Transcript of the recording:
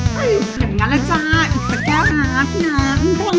ทำไมกลับเช้าจัง